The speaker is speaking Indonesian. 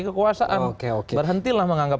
kekuasaan berhentilah menganggap